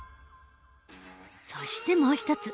そしてもう一つ。